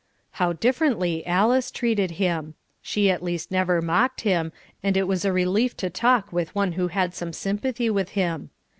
How differently Alice treated him. She at least never mocked him, and it was a relief to talk with one who had some sympathy with him.